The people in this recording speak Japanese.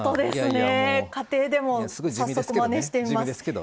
家庭でも早速まねしてみます。